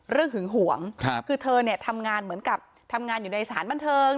หึงหวงคือเธอเนี่ยทำงานเหมือนกับทำงานอยู่ในสถานบันเทิง